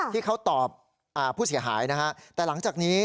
ที่เขาตอบผู้เสียหายนะฮะแต่หลังจากนี้